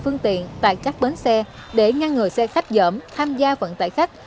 phương tiện tại các bến xe để ngăn ngừa xe khách dởm tham gia vận tải khách